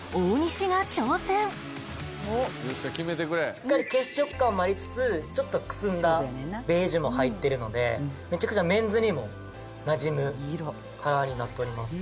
しっかり血色感もありつつちょっとくすんだベージュも入ってるのでめちゃくちゃメンズにもなじむカラーになっております。